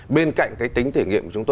bên cạnh cái tính thể nghiệm của chúng tôi